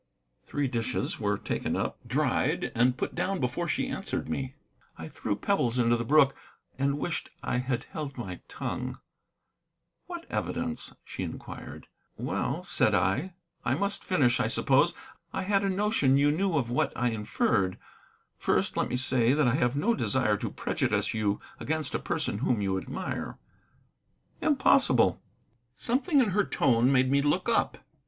Three dishes were taken up, dried, and put down before she answered me. I threw pebbles into the brook, and wished I had held my tongue. "What evidence?" inquired she. "Well," said I, "I must finish, I suppose. I had a notion you knew of what I inferred. First, let me say that I have no desire to prejudice you against a person whom you admire." "Impossible." Something in her tone made me look up.